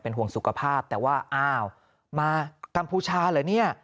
ห่วงสุขภาพแต่ว่าอ้าวมากัมพูชาเหรอเนี่ย